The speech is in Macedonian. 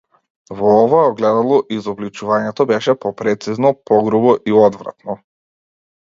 Во ова огледало изобличувањето беше попрецизно, погрубо, и одвратно.